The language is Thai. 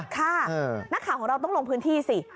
ค่ะนักข่าวของเราต้องลงพื้นที่สิ